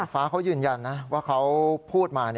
ฟ้าเขายืนยันนะว่าเขาพูดมา